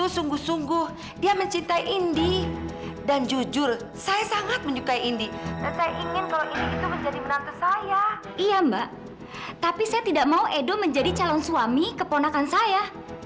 sampai jumpa di video selanjutnya